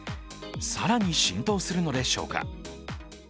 更に浸透するのでしょうか。